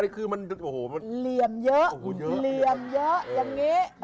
คือมันเหลี่ยมเยอะอย่างนี้